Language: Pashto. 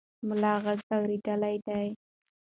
ملا غږ اورېدلی دی.